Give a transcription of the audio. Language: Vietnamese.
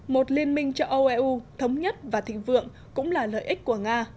một liên minh cho eu thống nhất và thịnh vượng cũng là lợi ích của nga